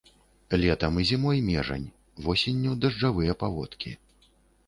Летам і зімой межань, восенню дажджавыя паводкі.